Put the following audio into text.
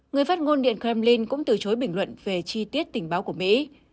người phát ngôn điện kremlin cũng từ chối bình luận về chi tiết tình báo của mỹ